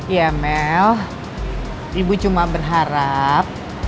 ya mel ibu cuma berharap